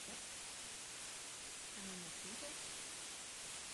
Počátkem února téhož roku zde byla založena první bezplatná veřejná škola v Texasu.